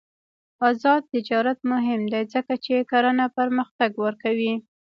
آزاد تجارت مهم دی ځکه چې کرنه پرمختګ ورکوي.